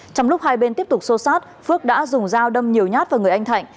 trong lúc hai bên tiếp tục xô sát phước đã dùng dao đâm nhiều nhát vào người anh thạnh